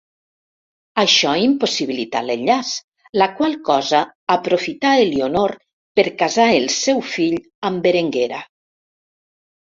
Això impossibilità l'enllaç, la qual cosa aprofità Elionor per casar el seu fill amb Berenguera.